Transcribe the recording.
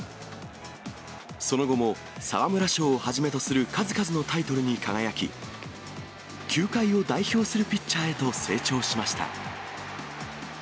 その後も沢村賞をはじめとする数々のタイトルに輝き、球界を代表するピッチャーへと成長しました。